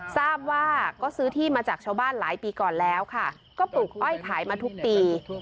ทราบว่าก็ซื้อที่มาจากชาวบ้านหลายปีก่อนแล้วค่ะก็ปลูกอ้อยขายมาทุกปี